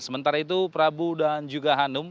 sementara itu prabu dan juga hanum